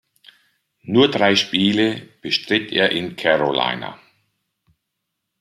Nur drei Spiele bestritt er in Carolina.